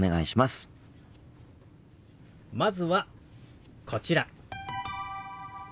まずはこちら。